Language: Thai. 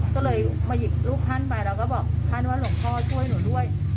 ก็เลยมาหยิบรูปท่านไปแล้วก็บอกท่านว่าหลวงพ่อช่วยหนูด้วย